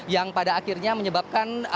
yang pada akhirnya menyebabkan